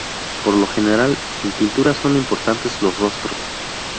Por lo general en pintura son importantes los rostros.